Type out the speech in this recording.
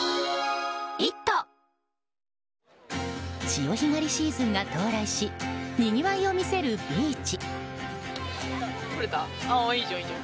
潮干狩りシーズンが到来しにぎわいを見せるビーチ。